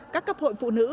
các cấp hội phụ nữ